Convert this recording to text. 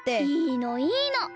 いいのいいの。